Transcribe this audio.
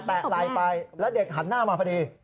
ไหล่ไปแล้วเด็กหันหน้ามาพอดี